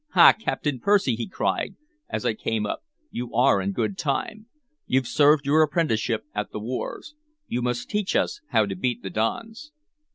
"Ha, Captain Percy!" he cried, as I came up. "You are in good time, man! You've served your apprenticeship at the wars. You must teach us how to beat the dons."